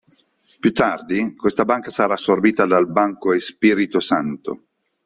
Più tardi, questa banca sarà assorbita dal Banco Espírito Santo.